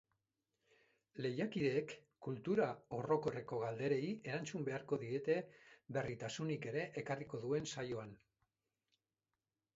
Lehiakideek kultura orokorreko galderei erantzun beharko diete berritasunik ere ekarriko duen saioan.